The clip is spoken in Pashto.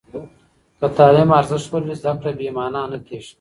که تعلیم ارزښت ولري، زده کړه بې معنا نه کېږي.